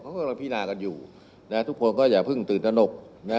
เพราะว่าพินากันอยู่ทุกคนก็อย่าเพิ่งตื่นตนก